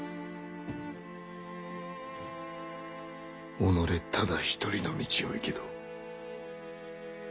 己ただ一人の道を行けと？